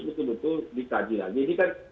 betul betul dikaji lagi ini kan